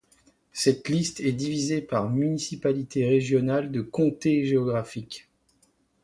Cette liste est divisée par municipalité régionale de comté géographique.